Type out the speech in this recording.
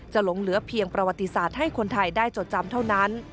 หลงเหลือเพียงประวัติศาสตร์ให้คนไทยได้จดจำเท่านั้น